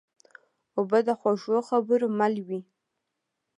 اوبه د خوږو خبرو مل وي.